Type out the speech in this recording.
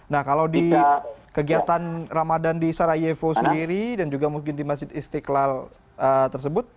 nah kalau di kegiatan ramadan di sarayevo sendiri dan juga mungkin di masjid istiqlal tersebut